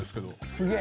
すげえ！